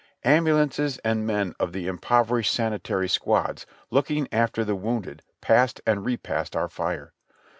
Ambulances and men of the improvised sanitary squads looking after the wounded passed and repassed our fire.